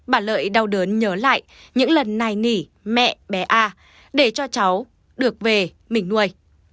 bà lợi đau đớn nhớ lại những lần này nỉ mẹ bé a để cho cháu được về mình nuôi